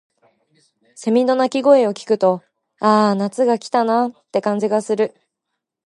蝉の鳴き声を聞くと、「ああ、夏が来たな」って感じがする。